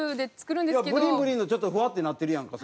ぶりんぶりんのちょっとふわってなってるやんか